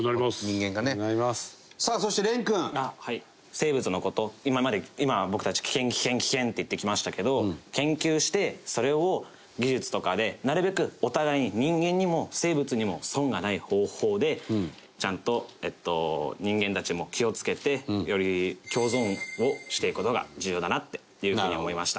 生物の事今まで今僕たち危険危険危険！って言ってきましたけど研究してそれを技術とかでなるべくお互いに人間にも生物にも損がない方法でちゃんと人間たちも気を付けてより共存をしていく事が重要だなっていう風に思いました。